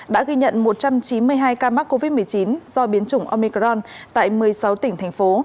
đã ghi nhận một trăm chín mươi hai ca mắc covid một mươi chín do biến chủng omicron tại một mươi sáu tỉnh thành phố